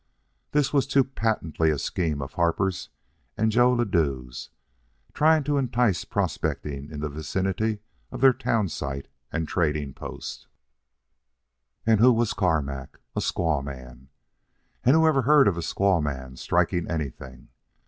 This was too patently a scheme of Harper's and Joe Ladue's, trying to entice prospecting in the vicinity of their town site and trading post. And who was Carmack? A squaw man. And who ever heard of a squaw man striking anything?